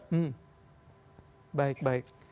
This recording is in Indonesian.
hmm baik baik